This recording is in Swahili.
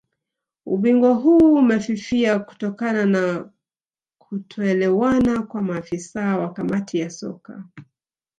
Ubingwa huu umefifia kutokana na kutoelewana kwa maafisa wa Kamati ya Soka